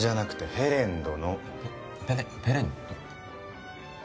ヘレンド。